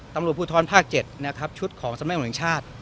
ตำรวจผู้ท้อนภาค๗ชุดของสำเนี่ยงอุณหังชาติ